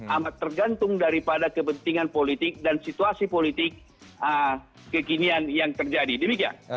amat tergantung daripada kepentingan politik dan situasi politik kekinian yang terjadi demikian